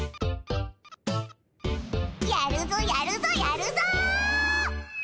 やるぞやるぞやるぞ！